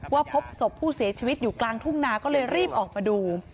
พบศพผู้เสียชีวิตอยู่กลางทุ่งนาก็เลยรีบออกมาดู